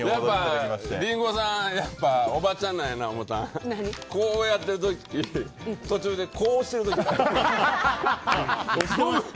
リンゴさん、やっぱおばちゃんなんやな思ったのはこうやってる時、途中でこうしてる時あった。